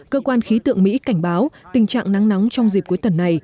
cơ quan khí tượng mỹ cảnh báo tình trạng nắng nóng trong dịp cuối tuần này